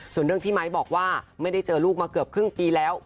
ส่วนเรื่องที่ไม้บอกว่าไม่ได้เจอลูกมาเกือบครึ่งปีแล้ว